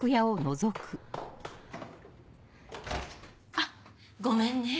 あっごめんね。